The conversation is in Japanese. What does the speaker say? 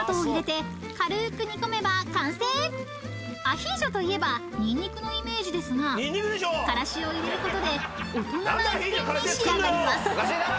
［アヒージョといえばニンニクのイメージですがからしを入れることで大人な一品に仕上がります］